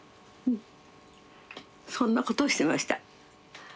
そんなことしてました。